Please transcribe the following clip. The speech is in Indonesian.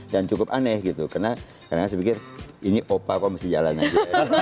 dan cukup aneh gitu karena kadang kadang saya pikir ini opa kok masih jalan aja